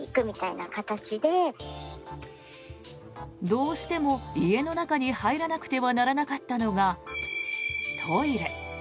どうしても家の中に入らなくてはならなかったのがトイレ。